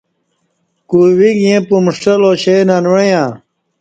کوئی ویک ییں پمݜٹہ لاش اے ننوعݩہ